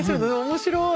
面白い！